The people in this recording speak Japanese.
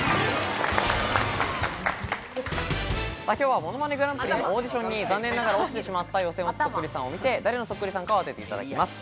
きょうは『ものまねグランプリ』のオーディションに残念ながら落ちてしまった予選落ちそっくりさんを見て、誰のそっくりさんかを当ててもらいます。